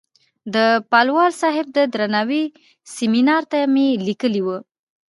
د پالوال صاحب د درناوۍ سیمینار ته مې لیکلې وه.